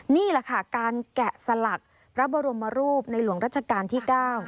นี่แหละค่ะการแกะสลักพระบรมรูปในหลวงรัชกาลที่๙